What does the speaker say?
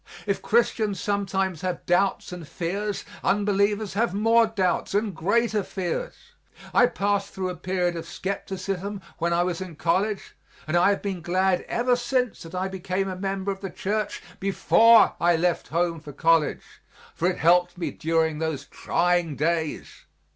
If Christians sometimes have doubts and fears, unbelievers have more doubts and greater fears. I passed through a period of skepticism when I was in college and I have been glad ever since that I became a member of the church before I left home for college, for it helped me during those trying days.